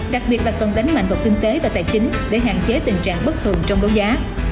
đặc biệt là cần đánh mạnh vào kinh tế và tài chính để hạn chế tình trạng bất thường trong đấu giá